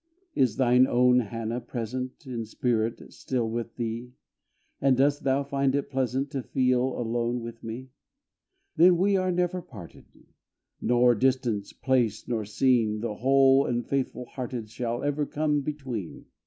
Is thine own Hannah present, In spirit, still with thee? And dost thou find it pleasant To feel alone with me? Then we are never parted! Nor distance, place, nor scene, The whole and faithful hearted Shall ever come between.